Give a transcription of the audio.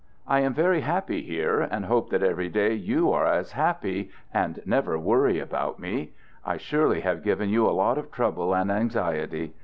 I am very happy here and hope every day that you are as happy and never worry about me. I surely have given you a lot of trouble and anxiety.